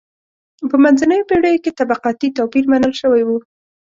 په منځنیو پېړیو کې طبقاتي توپیر منل شوی و.